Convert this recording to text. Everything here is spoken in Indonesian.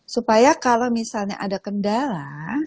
supaya kalau misalnya ada kendala